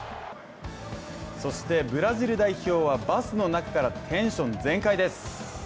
そして、ブラジル代表はバスの中からテンション全開です。